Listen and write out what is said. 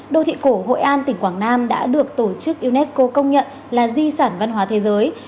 đô thị cổ hội an tỉnh quảng nam đã được tổ chức unesco công nhận là di sản văn hóa thế giới